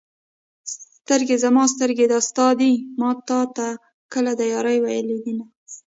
سترګې زما سترګې دا ستا دي ما تا ته کله د يارۍ ویلي دینه